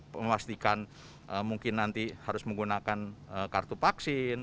memastikan mungkin nanti harus menggunakan kartu vaksin